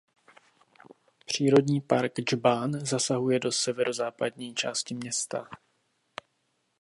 Přírodní park "Džbán" zasahuje do severozápadní části města.